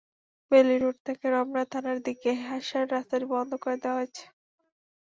Bailey Road থেকে রমনা থানার দিকে আসার রাস্তাটি বন্ধ করে দেওয়া হয়েছে।